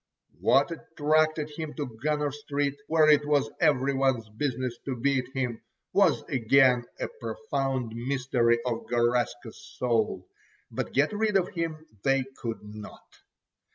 What attracted him to Gunner Street, where it was every one's business to beat him, was again a profound mystery of Garaska's soul, but get rid of him they could not.